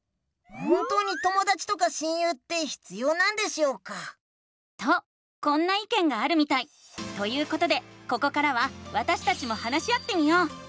本当にともだちとか親友って必要なんでしょうか？とこんないけんがあるみたい！ということでここからはわたしたちも話し合ってみよう！